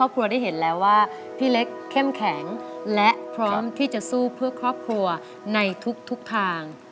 พี่เห็นแล้วว่าพี่เล็กเข้มแข็งและพร้อมที่จะสู้เพื่อครอบครัวในทุกทุกทาง